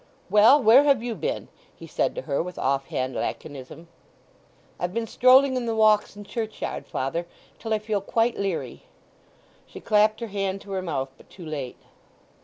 "Well, where have you been?" he said to her with offhand laconism. "I've been strolling in the Walks and churchyard, father, till I feel quite leery." She clapped her hand to her mouth, but too late.